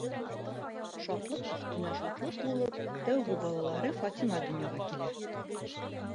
Шатлыҡ өҫтөнә шатлыҡ булып, тәүге балалары Фатима донъяға килә.